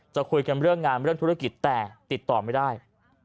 จะคุยกันเรื่องงานเรื่องธุรกิจแต่ติดต่อไม่ได้